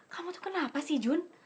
kamu tuh kenapa sih jun